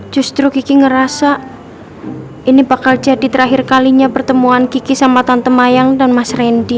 justru kiki ngerasa ini bakal jadi terakhir kalinya pertemuan kiki sama tante mayang dan mas randy